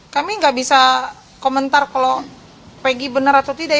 kami nggak bisa komentar kalau peggy benar atau tidak